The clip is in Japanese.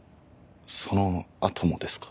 そのあともですか？